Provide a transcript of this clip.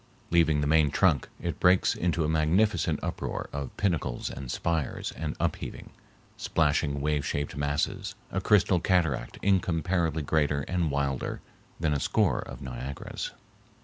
Leaving the main trunk, it breaks into a magnificent uproar of pinnacles and spires and up heaving, splashing wave shaped masses, a crystal cataract incomparably greater and wilder than a score of Niagaras.